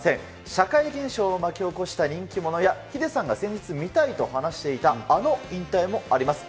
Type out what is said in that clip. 社会現象を巻き起こした人気者や、ヒデさんが先日、見たいと話していたあの引退もあります。